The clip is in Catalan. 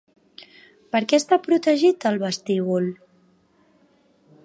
Per què està protegit el vestíbul?